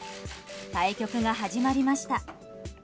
対局が始まりました。